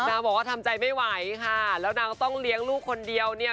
นางบอกว่าทำใจไม่ไหวค่ะแล้วนางต้องเลี้ยงลูกคนเดียวเนี่ย